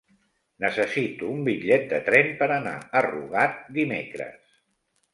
Necessito un bitllet de tren per anar a Rugat dimecres.